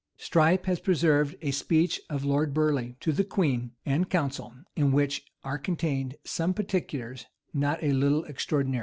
Strype has preserved a speech of Lord Burleigh to the queen and council, in which are contained some particulars not a little extraordinary.